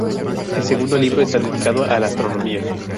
El segundo libro está dedicado a la astronomía.